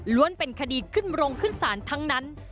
ล้วนเป็นคดีขึ้นมรงขึ้นสารทั้งนั้น